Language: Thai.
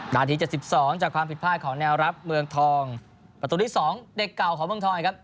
นาที๗๒จากความผิดพลาดของแนวรับเมืองทองประตูที่๒เด็กเก่าของเมืองทองครับ